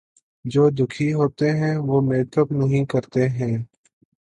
جو دکھی ھوتے ہیں وہ میک اپ نہیں کرتے ہیں